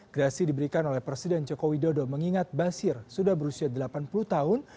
grasi diberikan oleh presiden joko widodo mengingat basir sudah berusia delapan puluh tahun